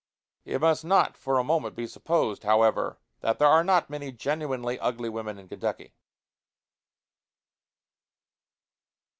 It must not for a moment be supposed, however, that there are not many genuinely ugly women in Kentucky.